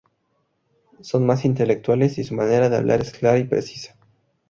Son más intelectuales y su manera de hablar es clara y precisa.